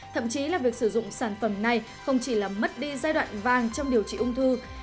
thậm chí là việc sử dụng sản phẩm này không chỉ là mất đi giai đoạn vàng trong điều trị ung thư